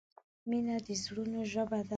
مینه د زړونو ژبه ده.